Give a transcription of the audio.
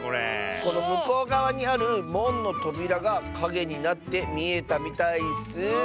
このむこうがわにあるもんのとびらがかげになってみえたみたいッス。